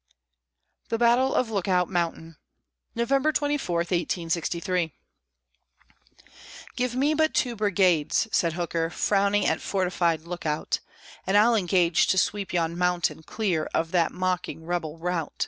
THE BATTLE OF LOOKOUT MOUNTAIN [November 24, 1863] "Give me but two brigades," said Hooker, frowning at fortified Lookout; "And I'll engage to sweep yon mountain clear of that mocking rebel rout."